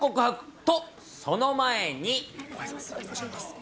と、その前に。